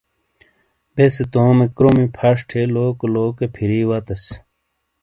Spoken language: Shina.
بیسے تومے کروم پھش تھے لوک لوکے پھری وتیس۔